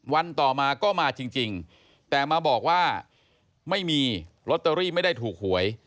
วันต่อมาก็มาจริงแต่มาบอกว่าไม่มีลอตเตอรี่ไม่ได้ถูกหวย